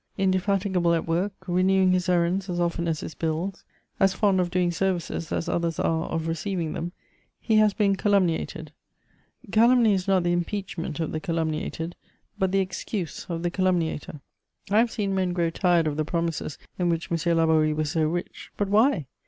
Indefatigable at work, renewing his errands as often as his bills, as fond of doing services as others are of receiving them, he has been calumniated: calumny is not the impeachment of the calumniated, but the excuse of the calumniator. I have seen men grow tired of the promises in which M. Laborie was so rich; but why?